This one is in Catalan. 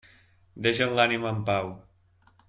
Deixa'm l'ànima en pau.